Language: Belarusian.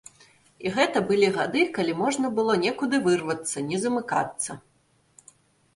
І гэта былі гады, калі можна было некуды вырвацца, не замыкацца.